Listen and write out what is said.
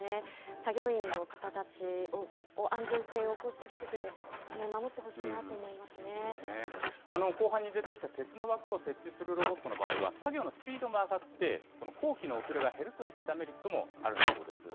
作業員の方たちの安全性をこうした技術で守ってほしいなと思いま後半に出てきた鉄の枠を設置するロボットの場合は、作業のスピードも上がって、工期の遅れが減るといったメリットもあるんだそうです。